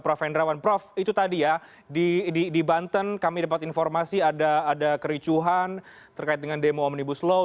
prof hendrawan prof itu tadi ya di banten kami dapat informasi ada kericuhan terkait dengan demo omnibus law